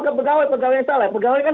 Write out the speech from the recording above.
ke pegawai pegawai yang salah pegawai kan